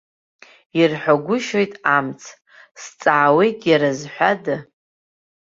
Ирҳәагәышьоит амц, сҵаауеит, иара зҳәада?